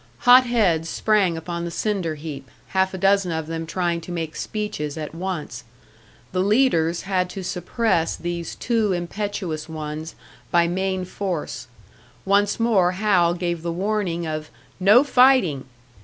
Hot heads sprang upon the cinder heap, half a dozen of them trying to make speeches at once. The leaders had to suppress these too impetuous ones by main force; once more Hal gave the warning of "No fighting!"